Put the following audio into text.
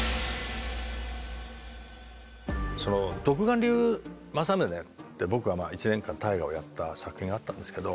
「独眼竜政宗」って僕が１年間大河をやった作品があったんですけど。